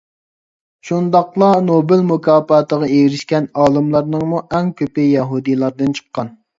شۇنداقلا نوبېل مۇكاپاتىغا ئېرىشكەن ئالىملارنىڭمۇ ئەڭ كۆپى يەھۇدىيلاردىن چىققان.